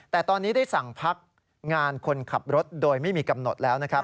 แต่ตอนนี้ได้สั่งพักงานคนขับรถโดยไม่มีกำหนดแล้วนะครับ